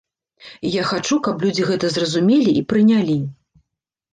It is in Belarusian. І я хачу, каб людзі гэта зразумелі і прынялі.